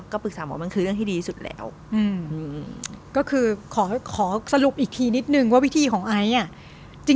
ปรึกษาหมอมันคือเรื่องที่ดีสุดแล้วก็คือขอสรุปอีกทีนิดนึงว่าวิธีของไอซ์อ่ะ